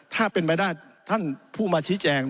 ถ้าเป็นไปได้ท่านผู้มาชี้แจง